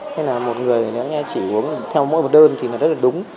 nên là một người chỉ uống theo mỗi một đơn thì rất là đúng